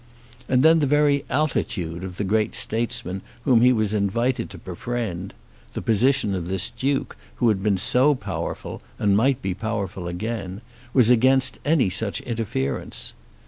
And then the very altitude of the great statesman whom he was invited to befriend, the position of this Duke who had been so powerful and might be powerful again, was against any such interference.